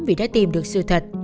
vì đã tìm được sự thật